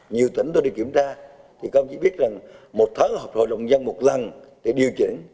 nhiều tỉnh tôi đi kiểm tra thì công ty biết rằng một tháng hợp hội đồng dân một lần để điều chuyển